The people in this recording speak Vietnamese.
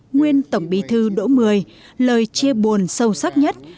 nguyên tổng bí thư đỗ mười lời chia buồn sâu sắc nhất